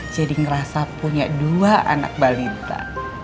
jadi ngerasa punya dua anak balita